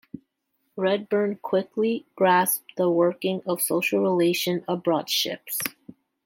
Redburn quickly grasps the workings of social relations aboard ship.